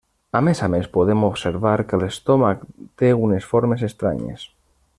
A més a més podem observar que l'estómac té unes formes estranyes.